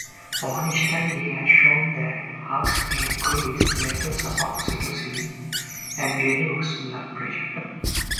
One study has shown that hugs increase levels of oxytocin and reduce blood pressure.